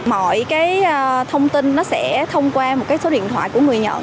mọi cái thông tin nó sẽ thông qua một cái số điện thoại của người nhận